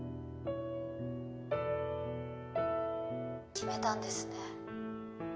決めたんですね？